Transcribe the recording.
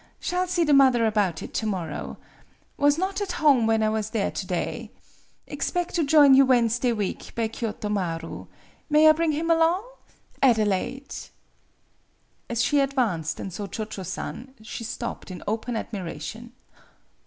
Shall see the mother about it to morrow. Was not at home when I was there to day. Expect to join you Wednesday week per Kioto Marti. May I bring him along ? ADELAIDE.' " As she advanced and saw Cho Cho San, she stopped in open admiration.